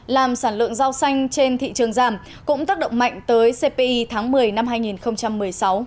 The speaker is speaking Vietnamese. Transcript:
làm sản lượng rau xanh trên thị trường giảm cũng tác động mạnh tới cpi tháng một mươi năm hai nghìn một mươi sáu